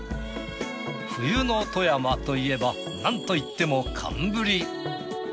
冬の富山といえばなんといっても寒ブリ。